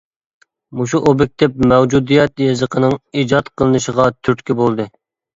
مۇشۇ ئوبيېكتىپ مەۋجۇدىيەت يېزىقىنىڭ ئىجاد قىلىنىشىغا تۈرتكە بولدى.